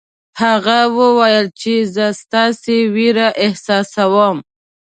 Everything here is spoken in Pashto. هغه وویل چې زه ستاسې وېره احساسوم.